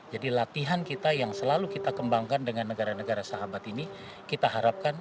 jadi latihan kita yang selalu kita kembangkan dengan negara negara sahabat ini kita harapkan